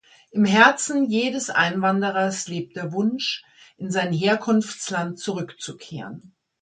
Im Herzen jedes Einwanderers lebt der Wunsch, in sein Herkunftsland zurückzukehren.